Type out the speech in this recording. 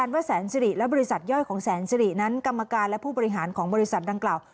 ว่าแสนสิริและบริษัทย่อยของแสนสิรินั้นกรรมการและผู้บริหารของบริษัทดังกล่าว